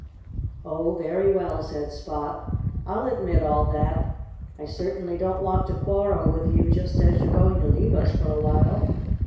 "Oh, very well!" said Spot. "I'll admit all that. I certainly don't want to quarrel with you just as you're going to leave us for a while....